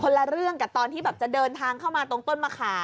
ละเรื่องกับตอนที่แบบจะเดินทางเข้ามาตรงต้นมะขาม